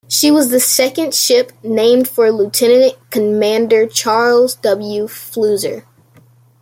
She was the second ship named for Lieutenant commander Charles W. Flusser.